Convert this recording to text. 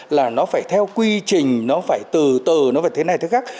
là nó phải theo quy trình nó phải từ từ nó về thế này thế khác